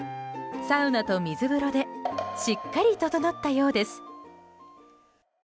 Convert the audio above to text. サウナと水風呂でしっかりととのったようです。